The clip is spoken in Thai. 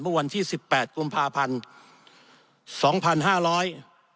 เมื่อวันที่๑๘กุมภาพันธ์สองพันห้าร้อย